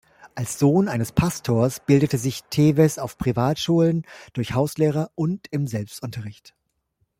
Als Sohn eines Pastors bildete sich Tewes auf Privatschulen, durch Hauslehrer und im Selbstunterricht.